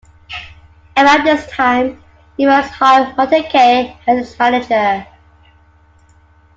Around this time, Evans hired Monte Kay as his manager.